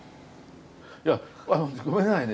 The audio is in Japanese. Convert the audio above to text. いやごめんなさいね